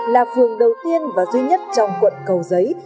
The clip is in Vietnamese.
là phường đầu tiên và duy nhất trong quận cầu giấy